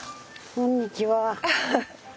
こんにちは。